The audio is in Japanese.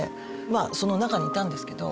その中にいたんですけど。